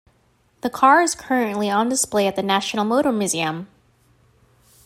The car is currently on display at the National Motor Museum.